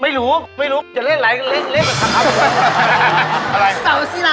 ไม่รู้ไม่รู้จะเล่นอะไรเล่นเดี๋ยวสักครั้งครับ